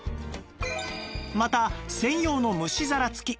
また専用の蒸し皿付き